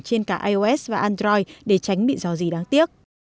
trên cả ios và android để tránh bị do gì đáng tiếc